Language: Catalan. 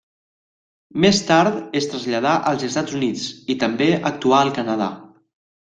Més tard es traslladà als Estats Units, i també actuà al Canadà.